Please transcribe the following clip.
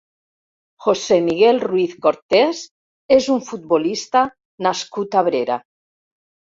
José Miguel Ruiz Cortés és un futbolista nascut a Abrera.